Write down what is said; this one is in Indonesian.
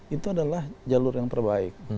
itu adalah jalur yang terbaik